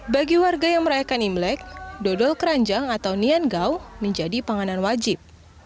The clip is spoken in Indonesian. bagi warga yang merayakan imlek dodol keranjang atau nian gau menjadi panganan wajib